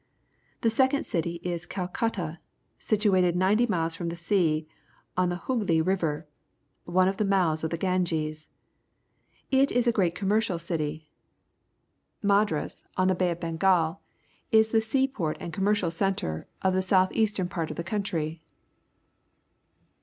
The s©e»mi city is ijiL cuUa, situated ninety miles from the sea on the HoogLy JBirsL, one of the mouths of the Ganges. It is a great commercial city. MadraSj_ on the Bay of Bengal, is the sea port and commercial centre of the south eastern part of the country.